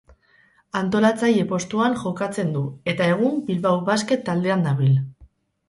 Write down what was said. Antolatzaile postuan jokatzen du eta egun Bilbao Basket taldean dabil.